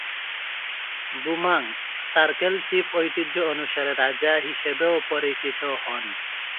Bohmong circle chief ঐতিহ্য অনুসারে "রাজা" হিসেবেও পরিচিত হন।